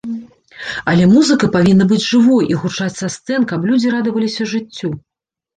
Але музыка павінна быць жывой і гучаць са сцэн, каб людзі радаваліся жыццю!